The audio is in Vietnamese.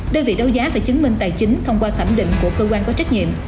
đơn vị đấu giá phải chứng minh tài chính thông qua thẩm định của cơ quan có trách nhiệm